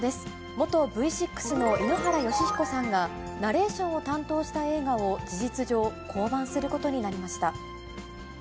元Ｖ６の井ノ原快彦さんが、ナレーションを担当した映画を、事実上、降板することになりました。